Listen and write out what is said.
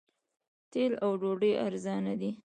تیل او ډوډۍ ارزانه دي.